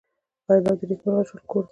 انا د نیکمرغه کور ژوند ده